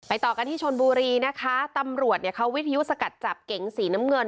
ต่อกันที่ชนบุรีนะคะตำรวจเนี่ยเขาวิทยุสกัดจับเก๋งสีน้ำเงิน